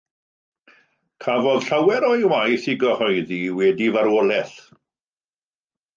Cafodd llawer o'i waith ei gyhoeddi wedi ei farwolaeth.